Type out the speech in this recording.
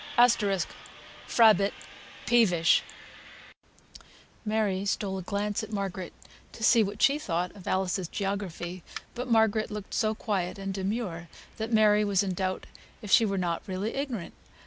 [Footnote 4: "Frabbit," peevish.] Mary stole a glance at Margaret to see what she thought of Alice's geography; but Margaret looked so quiet and demure, that Mary was in doubt if she were not really ignorant.